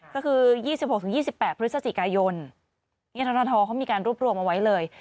ก็คือ๒๖๒๘พฤศจิกายนนี่ทรทเขามีการรวบรวมเอาไว้เลย